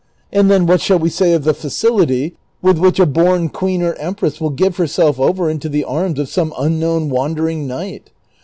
And then, what shall we say of the facility with which a born queen or empress will give herself over into the arms of some unknown wandering knight